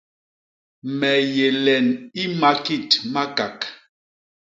Me yé len i makit Makak.